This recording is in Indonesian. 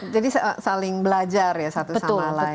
jadi saling belajar ya satu sama lain